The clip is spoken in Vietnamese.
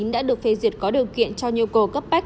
đã được phê duyệt có điều kiện cho nhu cầu cấp bách